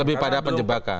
lebih pada penjebakan